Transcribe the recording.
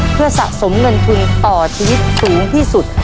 เพื่อสะสมเงินทุนต่อชีวิตสูงที่สุด